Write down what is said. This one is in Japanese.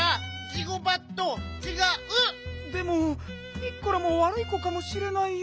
でもピッコラもわるい子かもしれないよ。